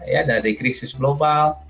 ya dari krisis global